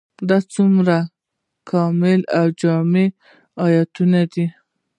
دا څومره کامل او جامع آيتونه دي ؟